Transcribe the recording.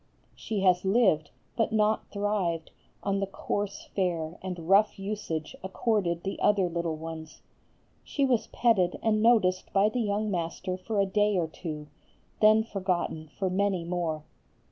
"She has lived, but not thrived, on the coarse fare and rough usage accorded the other little ones. She was petted and noticed by the young master for a day or two, then forgotten for many more.